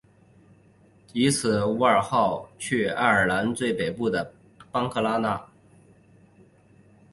此后伍尔西号去爱尔兰最北部的班克拉纳。